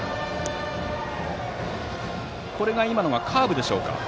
今のはカーブでしょうか。